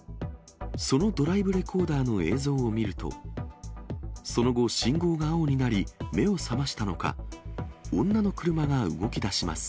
そのドライブレコーダーの映像を見ると、その後、信号が青になり、目を覚ましたのか、女の車が動きだします。